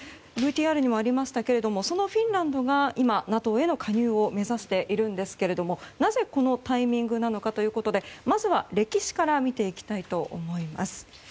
ＶＴＲにもありましたけどそのフィンランドが今、ＮＡＴＯへの加入を目指しているんですがなぜ、このタイミングなのかということでまずは歴史から見ていきたいと思います。